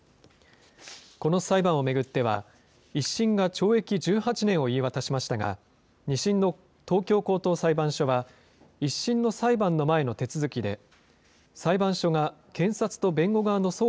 この裁判を巡っては、１審が懲役１８年を言い渡しましたが、２審の東京高等裁判所は、１審の裁判の前の手続きで、